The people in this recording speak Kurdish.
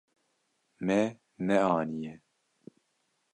Me neaniye.